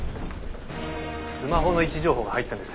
スマホの位置情報が入ったんです。